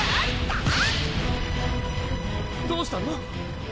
どうしたの？